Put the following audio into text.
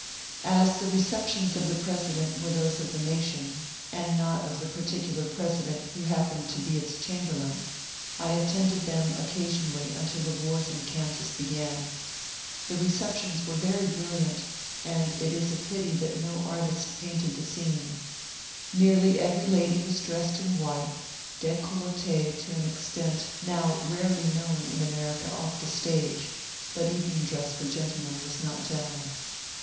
As the receptions of the President were those of the nation, and not of tiie particular President who happened to be its chamberlain, I attended them occasionally until the wars in Kansas began. The receptions were very brilliant, and it is a pity that no artbt painted the scene. Nearly every lady was dressed in white, decolletie to an extent now rarely known in America off the stage, but evening dress for gentlemen was not general.